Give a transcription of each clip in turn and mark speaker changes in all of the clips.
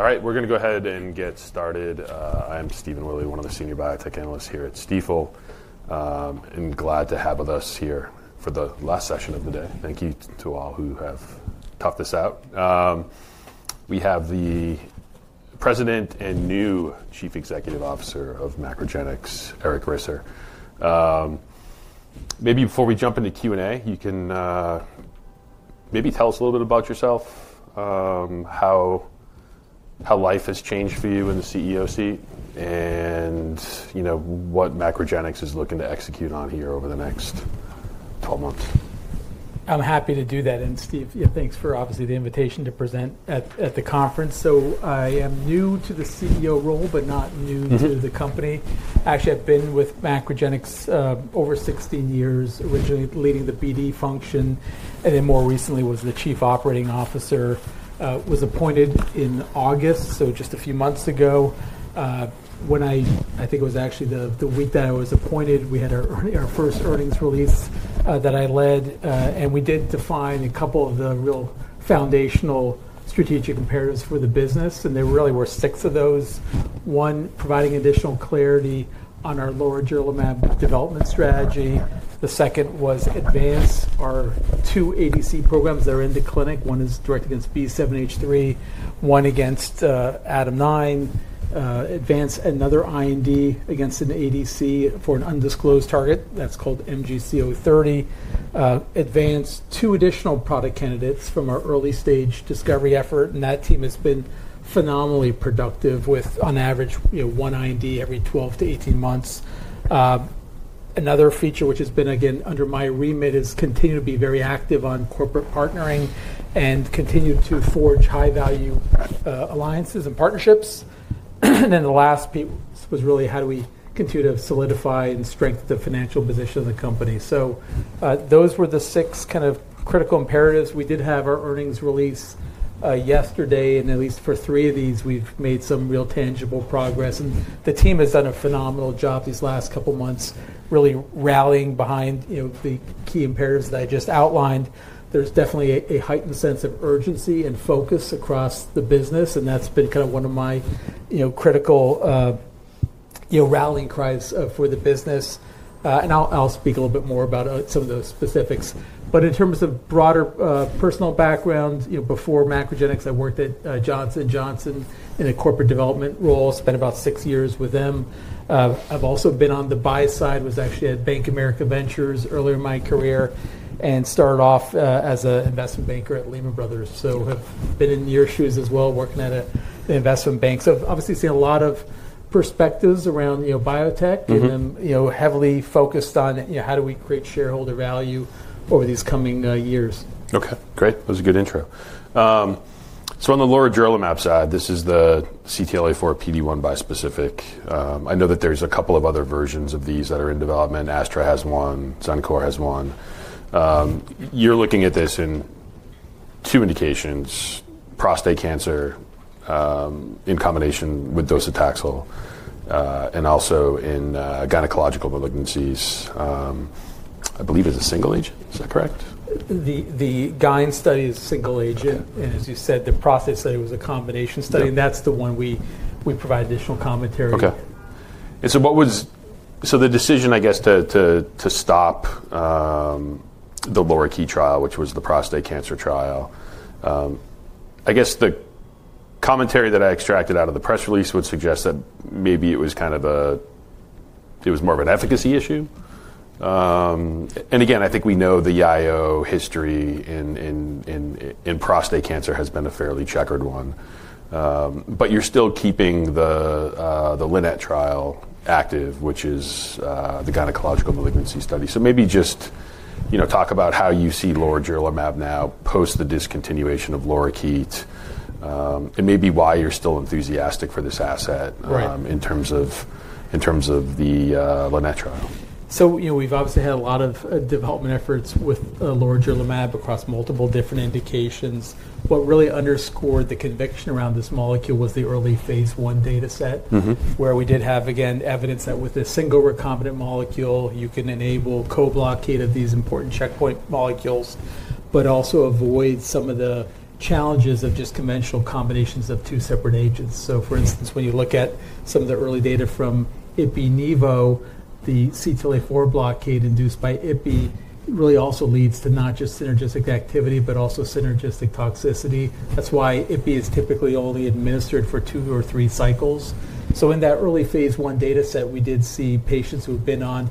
Speaker 1: All right, we're going to go ahead and get started. I am Stephen Willley, one of the senior biotech analysts here at Stifel, and glad to have us here for the last session of the day. Thank you to all who have toughed this out. We have the President and new Chief Executive Officer of MacroGenics, Eric Risser. Maybe before we jump into Q&A, you can maybe tell us a little bit about yourself, how life has changed for you in the CEO seat, and what MacroGenics is looking to execute on here over the next 12 months.
Speaker 2: I'm happy to do that. Steve, thanks for obviously the invitation to present at the conference. I am new to the CEO role, but not new to the company. Actually, I've been with MacroGenics over 16 years, originally leading the BD function, and then more recently was the Chief Operating Officer, was appointed in August, just a few months ago. I think it was actually the week that I was appointed, we had our first earnings release that I led, and we did define a couple of the real foundational strategic imperatives for the business, and there really were six of those. One, providing additional clarity on our lower durable development strategy. The second was advance our two ADC programs that are in the clinic. One is directed against B7-H3, one against ADAM9, advance another IND against an ADC for an undisclosed target. That's called MGC030. Advance two additional product candidates from our early stage discovery effort, and that team has been phenomenally productive with, on average, one IND every 12 to 18 months. Another feature, which has been again under my remit, is continue to be very active on corporate partnering and continue to forge high-value alliances and partnerships. The last piece was really how do we continue to solidify and strengthen the financial position of the company. Those were the six kind of critical imperatives. We did have our earnings release yesterday, and at least for three of these, we've made some real tangible progress. The team has done a phenomenal job these last couple of months, really rallying behind the key imperatives that I just outlined. There's definitely a heightened sense of urgency and focus across the business, and that's been kind of one of my critical rallying cries for the business. I'll speak a little bit more about some of those specifics. In terms of broader personal background, before MacroGenics, I worked at Johnson & Johnson in a corporate development role, spent about six years with them. I've also been on the buy side, was actually at Bank of America Ventures earlier in my career, and started off as an investment banker at Lehman Brothers. I've been in your shoes as well, working at an investment bank. I've obviously seen a lot of perspectives around biotech and heavily focused on how do we create shareholder value over these coming years.
Speaker 1: Okay, great. That was a good intro. On the lorigerlimab side, this is the CTLA-4 PD-1 bispecific. I know that there's a couple of other versions of these that are in development. AstraZeneca has one, [Zymeworks] has one. You're looking at this in two indications: prostate cancer in combination with docetaxel, and also in gynecological malignancies. I believe it's a single agent. Is that correct?
Speaker 2: The GAINS study is a single agent. As you said, the prostate study was a combination study, and that's the one we provide additional commentary.
Speaker 1: Okay. And so what was the decision, I guess, to stop the LOWERKEY trial, which was the prostate cancer trial, I guess the commentary that I extracted out of the press release would suggest that maybe it was kind of a, it was more of an efficacy issue. I think we know the IO history in prostate cancer has been a fairly checkered one. You're still keeping the LINNET trial active, which is the gynecological malignancy study. Maybe just talk about how you see lorigerlimab now post the discontinuation of LOWERKEY, and maybe why you're still enthusiastic for this asset in terms of the LINNET trial.
Speaker 2: We have obviously had a lot of development efforts with lorigerlimab across multiple different indications. What really underscored the conviction around this molecule was the early phase I data set, where we did have, again, evidence that with a single recombinant molecule, you can enable co-blockade of these important checkpoint molecules, but also avoid some of the challenges of just conventional combinations of two separate agents. For instance, when you look at some of the early data from IpiNevo, the CTLA-4 blockade induced by Ipi really also leads to not just synergistic activity, but also synergistic toxicity. That is why Ipi is typically only administered for two or three cycles. In that early phase I data set, we did see patients who have been on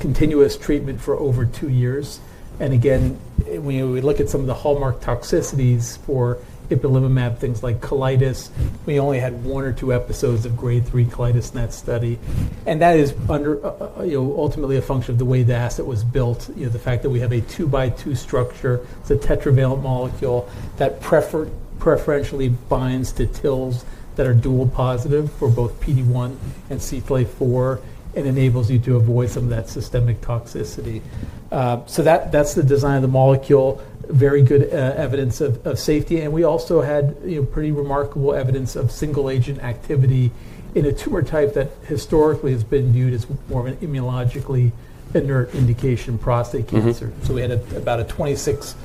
Speaker 2: continuous treatment for over two years. Again, when we look at some of the hallmark toxicities for Ipilimumab, things like colitis, we only had one or two episodes of grade 3 colitis in that study. That is ultimately a function of the way the asset was built, the fact that we have a two by two structure. It is a tetravalent molecule that preferentially binds to TILs that are dual positive for both PD1 and CTLA-4, and enables you to avoid some of that systemic toxicity. That is the design of the molecule, very good evidence of safety. We also had pretty remarkable evidence of single agent activity in a tumor type that historically has been viewed as more of an immunologically inert indication, prostate cancer. We had about a 26%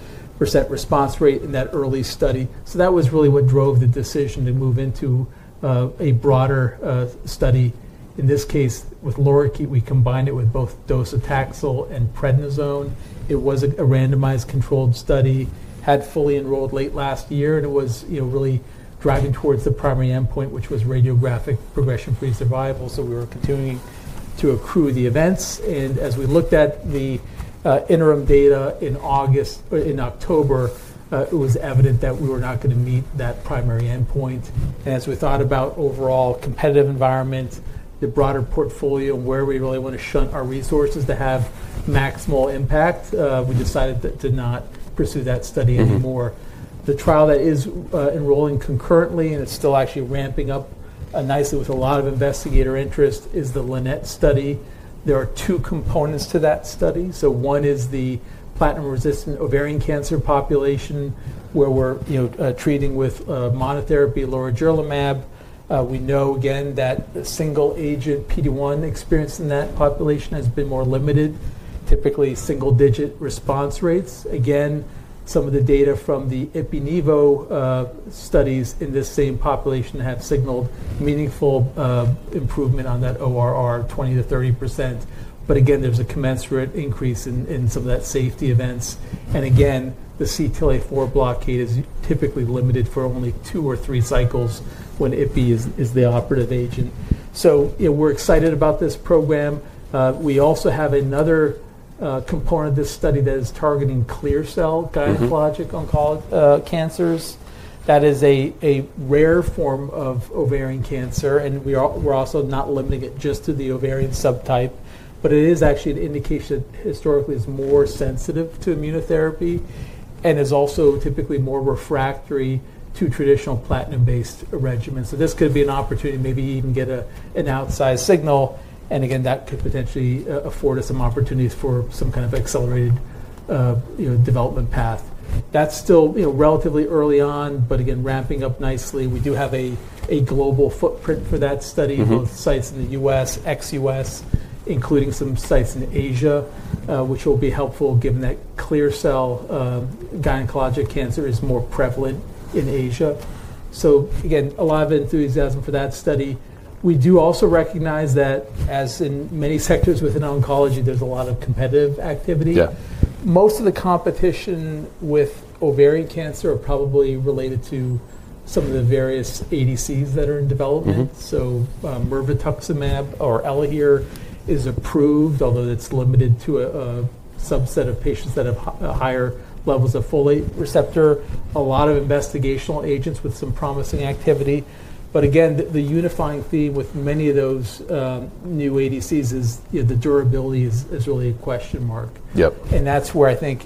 Speaker 2: response rate in that early study. That was really what drove the decision to move into a broader study. In this case, with lorigerlimab, we combined it with both docetaxel and prednisone. It was a randomized controlled study, had fully enrolled late last year, and it was really driving towards the primary endpoint, which was radiographic progression-free survival. We were continuing to accrue the events. As we looked at the interim data in October, it was evident that we were not going to meet that primary endpoint. As we thought about overall competitive environment, the broader portfolio, where we really want to shunt our resources to have maximal impact, we decided to not pursue that study anymore. The trial that is enrolling concurrently, and is still actually ramping up nicely with a lot of investigator interest, is the LINNET study. There are two components to that study. One is the platinum-resistant ovarian cancer population, where we are treating with monotherapy lorigerlimab. We know, again, that the single agent PD-1 experience in that population has been more limited, typically single-digit response rates. Again, some of the data from the IpiNevo studies in this same population have signaled meaningful improvement on that ORR, 20%-30%. Again, there is a commensurate increase in some of that safety events. The CTLA-4 blockade is typically limited for only two or three cycles when Ipi is the operative agent. We are excited about this program. We also have another component of this study that is targeting clear cell gynecologic oncology cancers. That is a rare form of ovarian cancer, and we are also not limiting it just to the ovarian subtype, but it is actually an indication that historically is more sensitive to immunotherapy and is also typically more refractory to traditional platinum-based regimens. This could be an opportunity to maybe even get an outside signal. Again, that could potentially afford us some opportunities for some kind of accelerated development path. That is still relatively early on, but again, ramping up nicely. We do have a global footprint for that study, both sites in the U.S., ex-U.S., including some sites in Asia, which will be helpful given that clear cell gynecologic cancer is more prevalent in Asia. Again, a lot of enthusiasm for that study. We do also recognize that, as in many sectors within oncology, there is a lot of competitive activity. Most of the competition with ovarian cancer is probably related to some of the various ADCs that are in development. Mirvetuximab or Elahere is approved, although it is limited to a subset of patients that have higher levels of folate receptor. A lot of investigational agents with some promising activity. Again, the unifying theme with many of those new ADCs is the durability is really a question mark. That is where I think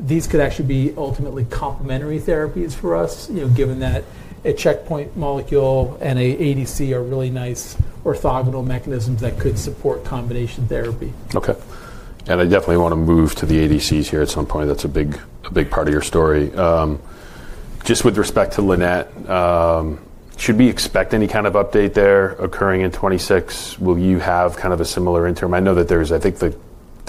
Speaker 2: these could actually be ultimately complementary therapies for us, given that a checkpoint molecule and an ADC are really nice orthogonal mechanisms that could support combination therapy.
Speaker 1: Okay. I definitely want to move to the ADCs here at some point. That is a big part of your story. Just with respect to LINNET, should we expect any kind of update there occurring in 2026? Will you have kind of a similar interim? I know that there is, I think there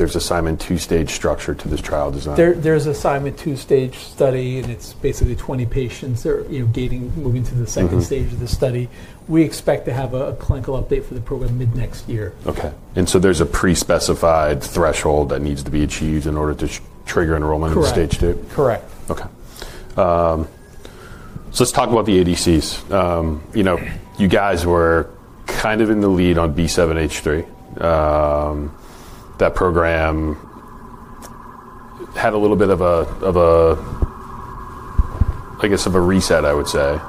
Speaker 1: is a Simon two-stage structure to this trial design.
Speaker 2: There's a Simon two-stage study, and it's basically 20 patients moving to the second stage of the study. We expect to have a clinical update for the program mid-next year.
Speaker 1: Okay. And so there's a pre-specified threshold that needs to be achieved in order to trigger enrollment in stage two?
Speaker 2: Correct.
Speaker 1: Okay. So let's talk about the ADCs. You guys were kind of in the lead on B7-H3. That program had a little bit of a, I guess, of a reset, I would say.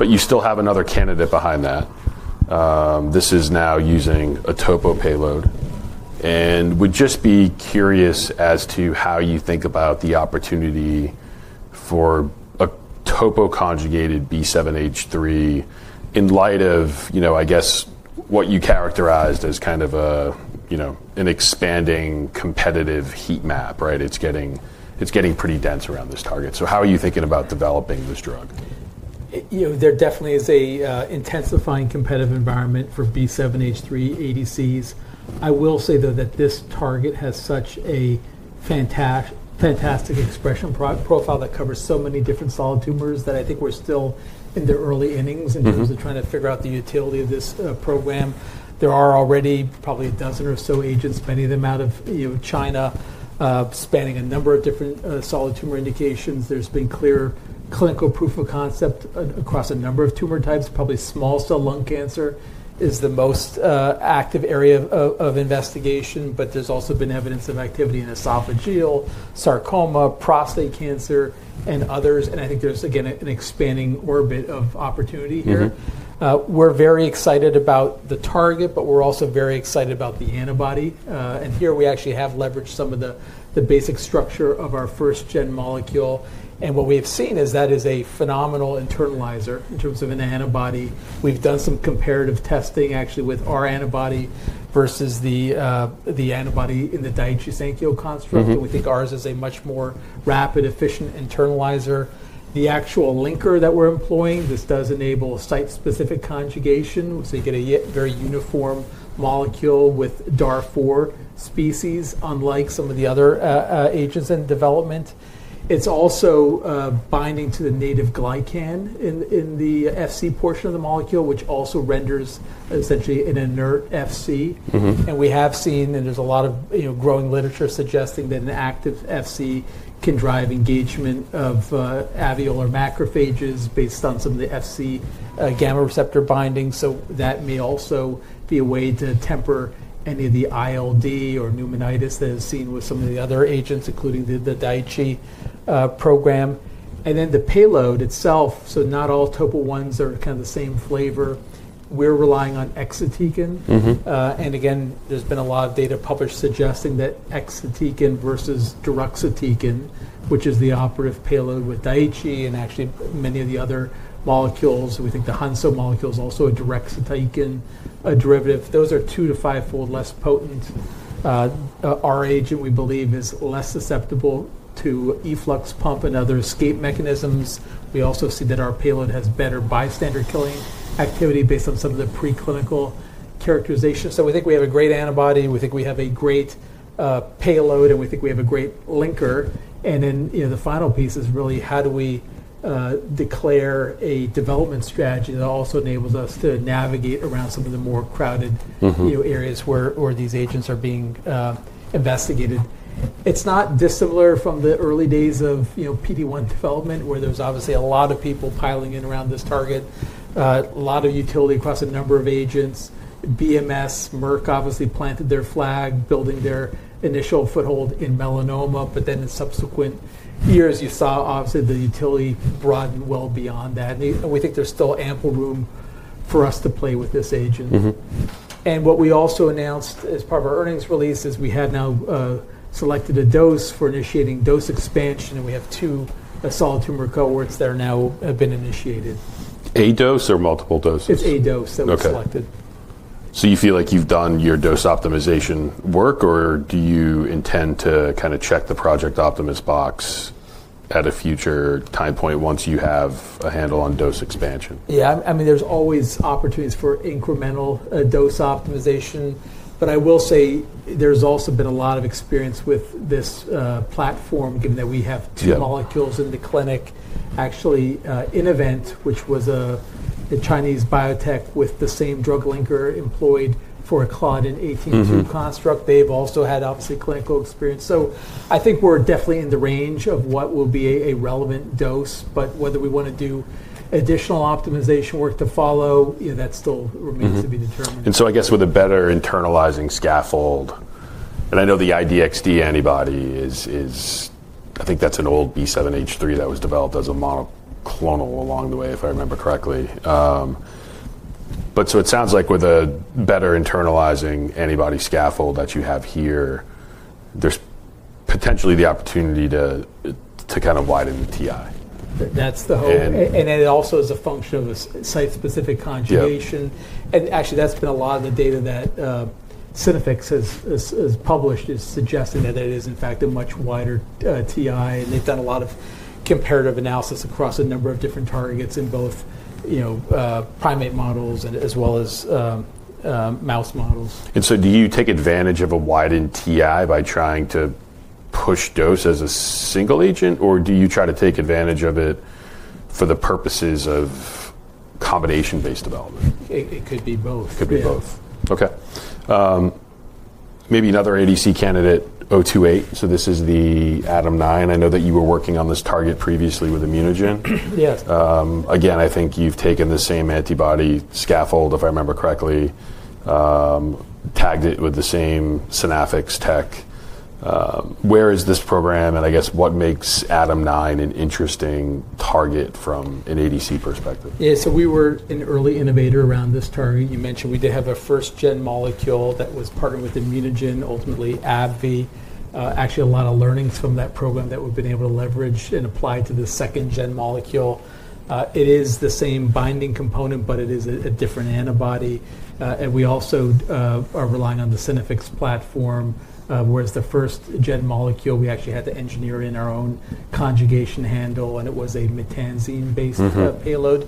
Speaker 1: But you still have another candidate behind that. This is now using a topo payload. And would just be curious as to how you think about the opportunity for a topo conjugated B7-H3 in light of, I guess, what you characterized as kind of an expanding competitive heat map, right? It's getting pretty dense around this target. So how are you thinking about developing this drug?
Speaker 2: There definitely is an intensifying competitive environment for B7-H3 ADCs. I will say, though, that this target has such a fantastic expression profile that covers so many different solid tumors that I think we're still in the early innings in terms of trying to figure out the utility of this program. There are already probably a dozen or so agents, many of them out of China, spanning a number of different solid tumor indications. There's been clear clinical proof of concept across a number of tumor types. Probably small cell lung cancer is the most active area of investigation, but there's also been evidence of activity in esophageal, sarcoma, prostate cancer, and others. I think there's, again, an expanding orbit of opportunity here. We're very excited about the target, but we're also very excited about the antibody. Here we actually have leveraged some of the basic structure of our first-gen molecule. What we have seen is that it is a phenomenal internalizer in terms of an antibody. We've done some comparative testing actually with our antibody versus the antibody in the deruxtecan construct. We think ours is a much more rapid, efficient internalizer. The actual linker that we're employing, this does enable site-specific conjugation. You get a very uniform molecule with DAR4 species, unlike some of the other agents in development. It's also binding to the native glycan in the Fc portion of the molecule, which also renders essentially an inert Fc. We have seen, and there's a lot of growing literature suggesting, that an active Fc can drive engagement of alveolar macrophages based on some of the Fc gamma receptor binding. That may also be a way to temper any of the ILD or pneumonitis that is seen with some of the other agents, including the Daiichi program. The payload itself, not all topo ones are kind of the same flavor. We're relying on exatecan. Again, there's been a lot of data published suggesting that exatecan versus deruxtecan, which is the operative payload with Daiichi and actually many of the other molecules, we think the Hunso molecule is also a deruxtecan derivative. Those are two- to five-fold less potent. Our agent, we believe, is less susceptible to efflux pump and other escape mechanisms. We also see that our payload has better bystander killing activity based on some of the preclinical characterization. We think we have a great antibody. We think we have a great payload, and we think we have a great linker. The final piece is really how do we declare a development strategy that also enables us to navigate around some of the more crowded areas where these agents are being investigated. It is not dissimilar from the early days of PD1 development, where there is obviously a lot of people piling in around this target, a lot of utility across a number of agents. BMS, Merck obviously planted their flag building their initial foothold in melanoma, but then in subsequent years, you saw obviously the utility broaden well beyond that. We think there is still ample room for us to play with this agent. What we also announced as part of our earnings release is we have now selected a dose for initiating dose expansion, and we have two solid tumor cohorts that have now been initiated.
Speaker 1: A dose or multiple doses?
Speaker 2: It's a dose that was selected.
Speaker 1: Do you feel like you've done your dose optimization work, or do you intend to kind of check the project optimist box at a future time point once you have a handle on dose expansion?
Speaker 2: Yeah. I mean, there's always opportunities for incremental dose optimization. I will say there's also been a lot of experience with this platform, given that we have two molecules in the clinic. Actually, Innovent, which was a Chinese biotech with the same drug linker employed for a Claudin 18-2 construct, they've also had obviously clinical experience. I think we're definitely in the range of what will be a relevant dose, but whether we want to do additional optimization work to follow, that still remains to be determined.
Speaker 1: I guess with a better internalizing scaffold, and I know the IDXD antibody is, I think that's an old B7-H3 that was developed as a monoclonal along the way, if I remember correctly. It sounds like with a better internalizing antibody scaffold that you have here, there's potentially the opportunity to kind of widen the TI.
Speaker 2: That's the hope. It also is a function of a site-specific conjugation. Actually, that's been a lot of the data that Synaffix has published, suggesting that it is, in fact, a much wider TI. They have done a lot of comparative analysis across a number of different targets in both primate models as well as mouse models.
Speaker 1: Do you take advantage of a widened TI by trying to push dose as a single agent, or do you try to take advantage of it for the purposes of combination-based development?
Speaker 2: It could be both.
Speaker 1: It could be both. Okay. Maybe another ADC candidate, 028. So this is the ADAM9. I know that you were working on this target previously with ImmunoGen. Again, I think you've taken the same antibody scaffold, if I remember correctly, tagged it with the same Synaffix tech. Where is this program, and I guess what makes ADAM9 an interesting target from an ADC perspective?
Speaker 2: Yeah. We were an early innovator around this target. You mentioned we did have a first-gen molecule that was partnered with ImmunoGen, ultimately AbbVie. Actually, a lot of learnings from that program that we've been able to leverage and apply to the second-gen molecule. It is the same binding component, but it is a different antibody. We also are relying on the Synaffix platform, whereas the first-gen molecule, we actually had to engineer in our own conjugation handle, and it was a maytansine-based payload,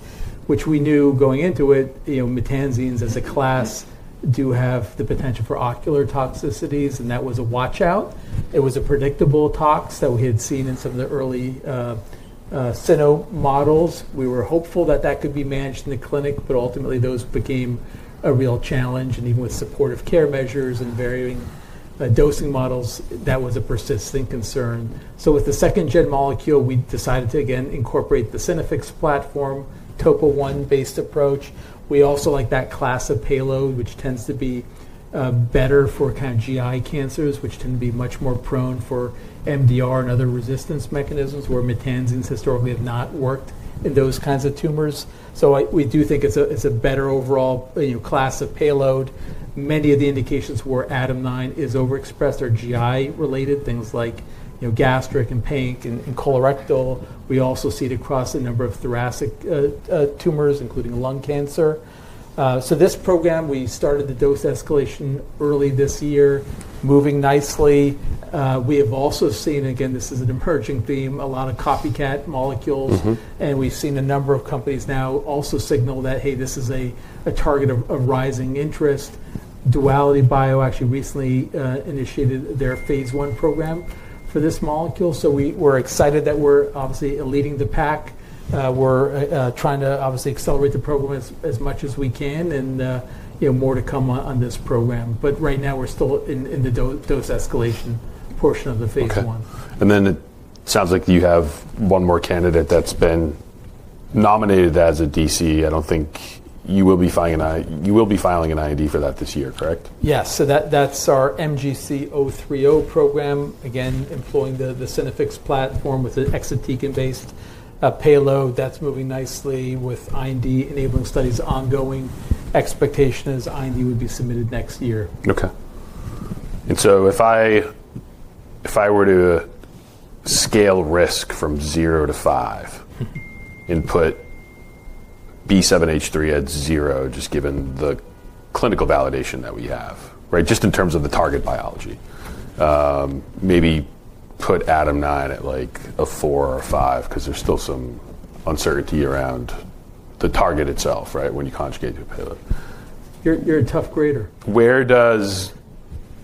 Speaker 2: which we knew going into it, maytansines as a class do have the potential for ocular toxicities, and that was a watch-out. It was a predictable tox that we had seen in some of the early cyno models. We were hopeful that that could be managed in the clinic, but ultimately those became a real challenge. Even with supportive care measures and varying dosing models, that was a persistent concern. With the second-gen molecule, we decided to, again, incorporate the Synaffix platform, topo one-based approach. We also like that class of payload, which tends to be better for kind of GI cancers, which tend to be much more prone for MDR and other resistance mechanisms, where maytansines historically have not worked in those kinds of tumors. We do think it is a better overall class of payload. Many of the indications where ADAM9 is overexpressed are GI-related, things like gastric and pancreatic and colorectal. We also see it across a number of thoracic tumors, including lung cancer. This program, we started the dose escalation early this year, moving nicely. We have also seen, again, this is an emerging theme, a lot of copycat molecules. We've seen a number of companies now also signal that, hey, this is a target of rising interest. Duality Bio actually recently initiated their phase one program for this molecule. We're excited that we're obviously leading the pack. We're trying to obviously accelerate the program as much as we can and more to come on this program. Right now, we're still in the dose escalation portion of the phase one.
Speaker 1: Okay. It sounds like you have one more candidate that's been nominated as a DC. I don't think you will be filing an IND for that this year, correct?
Speaker 2: Yes. So that's our MGC030 program, again, employing the Synaffix platform with the exatecan-based payload. That's moving nicely with IND enabling studies ongoing. Expectation is IND would be submitted next year.
Speaker 1: Okay. If I were to scale risk from zero to five, and put B7-H3 at zero, just given the clinical validation that we have, right, just in terms of the target biology, maybe put ADAM9 at like a four or a five because there is still some uncertainty around the target itself, right, when you conjugate the payload.
Speaker 2: You're a tough grader.
Speaker 1: Where does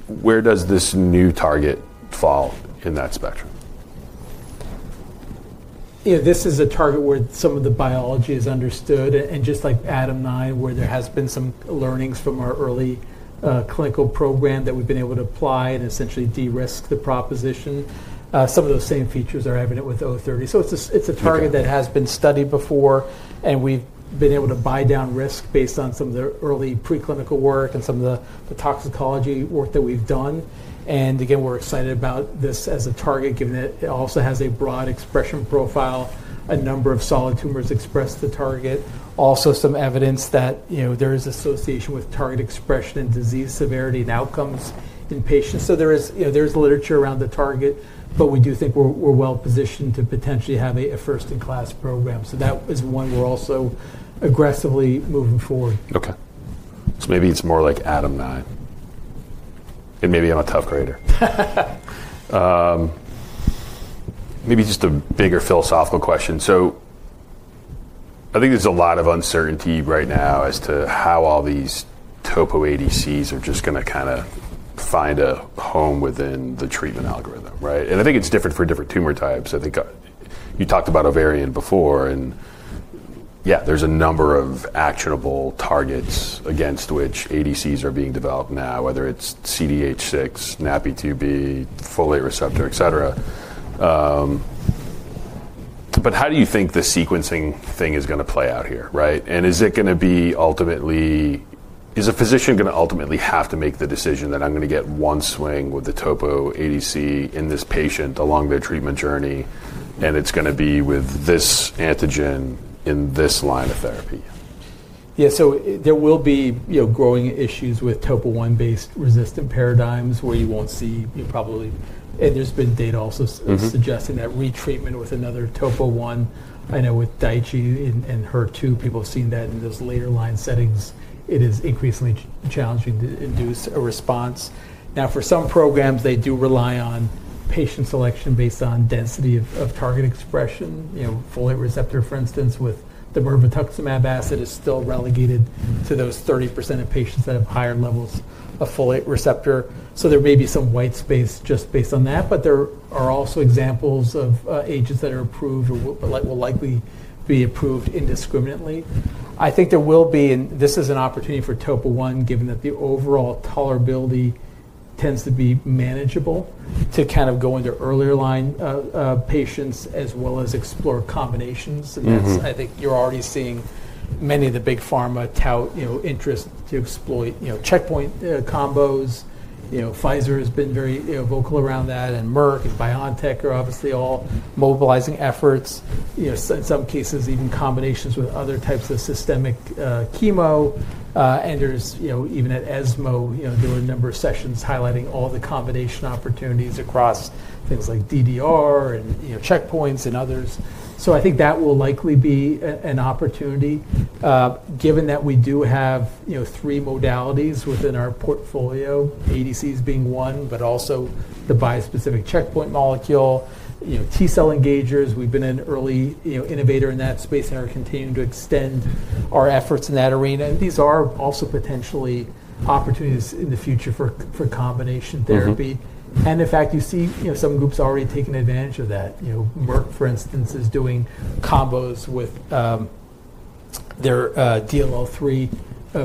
Speaker 1: this new target fall in that spectrum?
Speaker 2: This is a target where some of the biology is understood. Just like ADAM9, where there has been some learnings from our early clinical program that we've been able to apply and essentially de-risk the proposition, some of those same features are evident with O30. It is a target that has been studied before, and we've been able to buy down risk based on some of the early preclinical work and some of the toxicology work that we've done. Again, we're excited about this as a target given that it also has a broad expression profile. A number of solid tumors express the target. There is also some evidence that there is association with target expression and disease severity and outcomes in patients. There is literature around the target, but we do think we're well positioned to potentially have a first-in-class program. That is one we're also aggressively moving forward.
Speaker 1: Okay. Maybe it is more like ADAM9. Maybe I am a tough grader. Maybe just a bigger philosophical question. I think there is a lot of uncertainty right now as to how all these topo ADCs are just going to kind of find a home within the treatment algorithm, right? I think it is different for different tumor types. I think you talked about ovarian before, and yeah, there are a number of actionable targets against which ADCs are being developed now, whether it is CDH6, NaPi2b, folate receptor, etc. How do you think the sequencing thing is going to play out here, right? Is it going to be ultimately, is a physician going to ultimately have to make the decision that I'm going to get one swing with the topo ADC in this patient along their treatment journey, and it's going to be with this antigen in this line of therapy?
Speaker 2: Yeah. There will be growing issues with topo1-based resistant paradigms where you won't see probably. There has been data also suggesting that retreatment with another topo1. I know with Daiichi and HER2, people have seen that in those later line settings. It is increasingly challenging to induce a response. Now, for some programs, they do rely on patient selection based on density of target expression. Folate receptor, for instance, with the mirvetuximab soravtansine, is still relegated to those 30% of patients that have higher levels of folate receptor. There may be some white space just based on that, but there are also examples of agents that are approved or will likely be approved indiscriminately. I think there will be, and this is an opportunity for topo one, given that the overall tolerability tends to be manageable to kind of go into earlier line patients as well as explore combinations. I think you're already seeing many of the big pharma interest to exploit checkpoint combos. Pfizer has been very vocal around that, and Merck and BioNTech are obviously all mobilizing efforts. In some cases, even combinations with other types of systemic chemo. Even at ESMO, there were a number of sessions highlighting all the combination opportunities across things like DDR and checkpoints and others. I think that will likely be an opportunity given that we do have three modalities within our portfolio, ADCs being one, but also the biospecific checkpoint molecule, T-cell engagers. We've been an early innovator in that space and are continuing to extend our efforts in that arena. These are also potentially opportunities in the future for combination therapy. In fact, you see some groups already taking advantage of that. Merck, for instance, is doing combos with their DLL3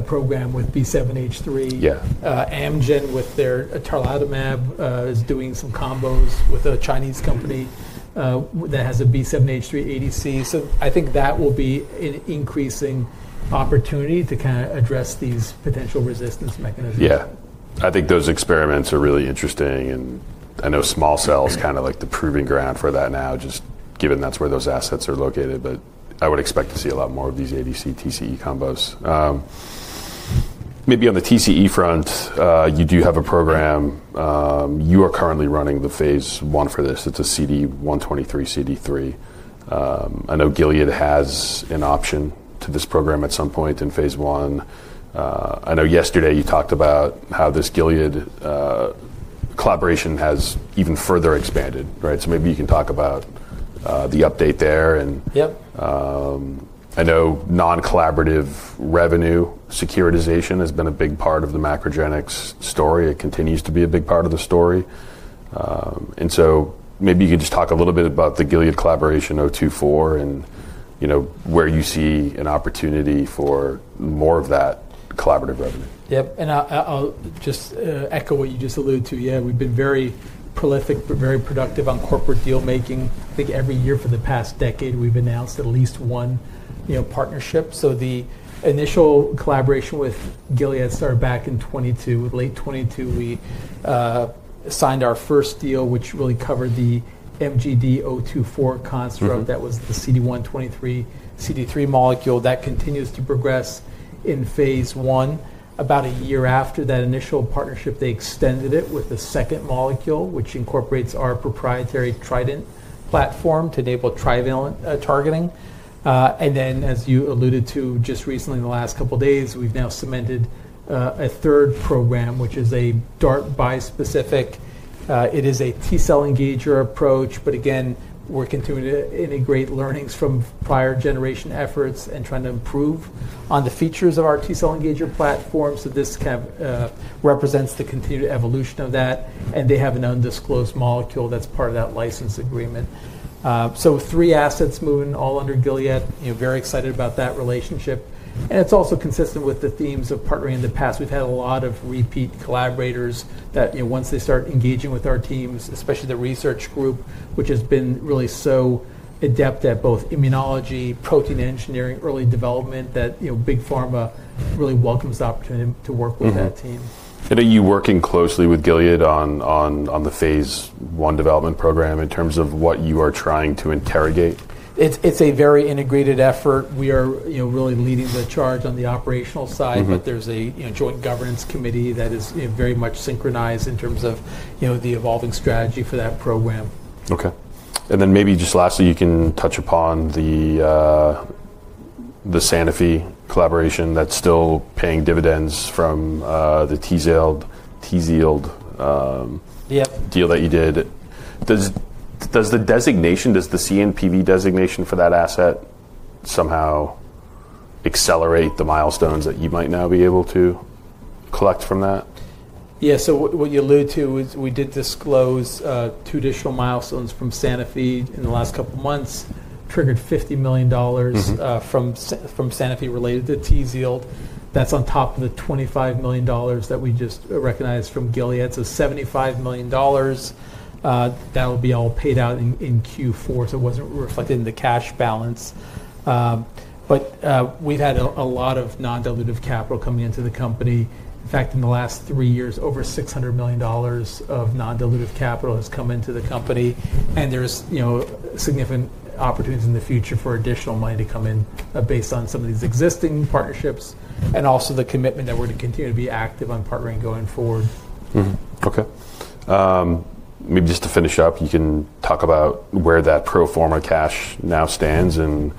Speaker 2: program with B7-H3. Amgen with their tarlatamab is doing some combos with a Chinese company that has a B7-H3 ADC. I think that will be an increasing opportunity to kind of address these potential resistance mechanisms.
Speaker 1: Yeah. I think those experiments are really interesting. I know small cell is kind of like the proving ground for that now, just given that's where those assets are located, but I would expect to see a lot more of these ADC-TCE combos. Maybe on the TCE front, you do have a program. You are currently running the phase one for this. It's a CD123, CD3. I know Gilead has an option to this program at some point in phase one. I know yesterday you talked about how this Gilead collaboration has even further expanded, right? Maybe you can talk about the update there. I know non-collaborative revenue securitization has been a big part of the MacroGenics story. It continues to be a big part of the story. Maybe you can just talk a little bit about the Gilead collaboration 024 and where you see an opportunity for more of that collaborative revenue.
Speaker 2: Yep. I'll just echo what you just alluded to. Yeah, we've been very prolific, but very productive on corporate deal-making. I think every year for the past decade, we've announced at least one partnership. The initial collaboration with Gilead started back in 2022. Late 2022, we signed our first deal, which really covered the MGD024 construct that was the CD123, CD3 molecule. That continues to progress in phase one. About a year after that initial partnership, they extended it with the second molecule, which incorporates our proprietary Trident platform to enable trivalent targeting. As you alluded to just recently in the last couple of days, we've now cemented a third program, which is a DART bispecific. It is a T-cell engager approach, but again, we're continuing to integrate learnings from prior generation efforts and trying to improve on the features of our T-cell engager platform. This kind of represents the continued evolution of that. They have an undisclosed molecule that is part of that license agreement. Three assets are moving all under Gilead. Very excited about that relationship. It is also consistent with the themes of partnering in the past. We have had a lot of repeat collaborators that, once they start engaging with our teams, especially the research group, which has been really so adept at both immunology, protein engineering, early development, that big pharma really welcomes the opportunity to work with that team.
Speaker 1: Are you working closely with Gilead on the phase one development program in terms of what you are trying to interrogate?
Speaker 2: It's a very integrated effort. We are really leading the charge on the operational side, but there's a joint governance committee that is very much synchronized in terms of the evolving strategy for that program.
Speaker 1: Okay. And then maybe just lastly, you can touch upon the Sanofi collaboration that's still paying dividends from the TZield deal that you did. Does the designation, does the CNPV designation for that asset somehow accelerate the milestones that you might now be able to collect from that?
Speaker 2: Yeah. What you alluded to is we did disclose two additional milestones from Sanofi in the last couple of months, triggered $50 million from Sanofi related toTZIELD. That's on top of the $25 million that we just recognized from Gilead. $75 million, that will be all paid out in Q4. It was not reflected in the cash balance. We've had a lot of non-dilutive capital coming into the company. In fact, in the last three years, over $600 million of non-dilutive capital has come into the company. There are significant opportunities in the future for additional money to come in based on some of these existing partnerships and also the commitment that we are to continue to be active on partnering going forward.
Speaker 1: Okay. Maybe just to finish up, you can talk about where that pro forma cash now stands and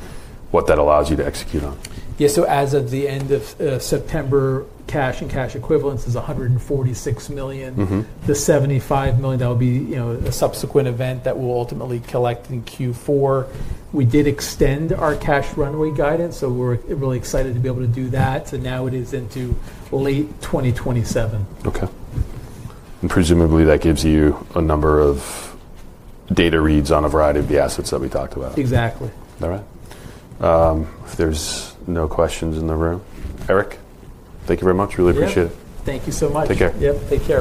Speaker 1: what that allows you to execute on.
Speaker 2: Yeah. As of the end of September, cash and cash equivalents is $146 million. The $75 million, that will be a subsequent event that will ultimately collect in Q4. We did extend our cash runway guidance, so we're really excited to be able to do that. Now it is into late 2027.
Speaker 1: Okay. Presumably that gives you a number of data reads on a variety of the assets that we talked about.
Speaker 2: Exactly.
Speaker 1: All right. If there's no questions in the room. Eric, thank you very much. Really appreciate it.
Speaker 2: Thank you. Thank you so much.
Speaker 1: Take care.
Speaker 2: Yep. Take care.